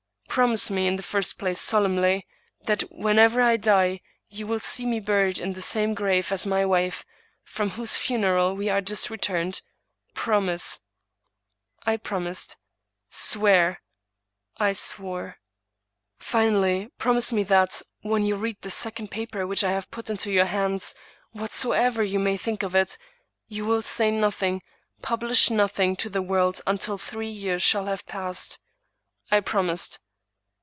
Promise me, in the first place, solemnly, that whenever I die you will see me buried in the same grave as my wife, from whose funeral we are just returned. Promise." — I promised. —*' Swear." — I swore. —*' Finally, promise me that, when you read this second paper which I have put into your hands^ whatsoever you may think of it, you will say nothing — ^pub lish nothing to the world until three years shall have passed." — I promised.